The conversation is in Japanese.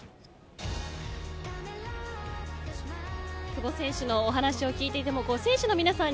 久保選手のお話を聞いていても選手の皆さん